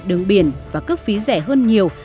đường biển và cước phí rẻ hơn nhiều